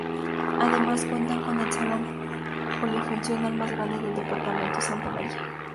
Además, cuenta con el Salón Polifuncional más grande del departamento Santa María.